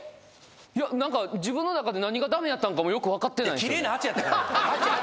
いやなんか自分の中で何がダメやったんかもよくわかってないんですよね８８